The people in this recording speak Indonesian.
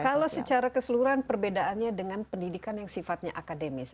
kalau secara keseluruhan perbedaannya dengan pendidikan yang sifatnya akademis